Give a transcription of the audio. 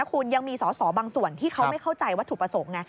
คือยังมีส่อบางส่วนที่เขาไม่เข้าใจว่าถูกประสงค์